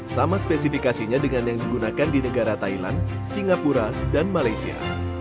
sama spesifikasinya dengan yang digunakan di negara thailand singapura dan malaysia